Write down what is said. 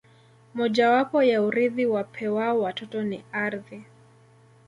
Mojawapo ya urithi wapewao watoto ni ardhi